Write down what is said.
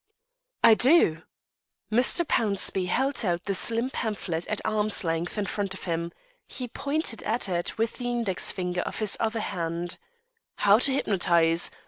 "I do!" Mr. Pownceby held out the slim pamphlet at arm's length in front of him. He pointed at it with the index finger of his other hand: "'How to Hypnotise.